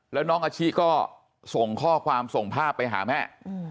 แล้วน้องอาชิก็ส่งข้อความส่งภาพไปหาแม่